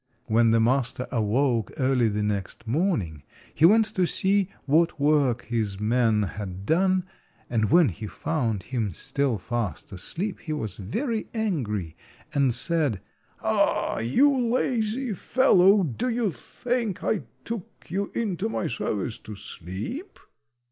When the master awoke early the next morning he went to see what work his man had done, and when he found him still fast asleep, he was very angry, and said— "Ah! you lazy fellow, do you think I took you into my service to sleep?"